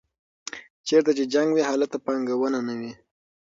چېرته چې جنګ وي هلته پانګونه نه وي.